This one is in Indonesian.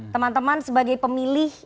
teman teman sebagai pemilih